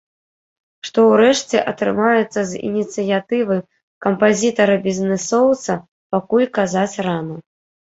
Што ўрэшце атрымаецца з ініцыятывы кампазітара-бізнэсоўца, пакуль казаць рана.